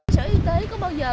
sở y tế có bao giờ